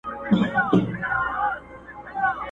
o چي ته ئې يووړې، گوا زه ئې يووړم!